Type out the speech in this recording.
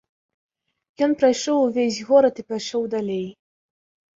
Ён прайшоў увесь горад і пайшоў далей.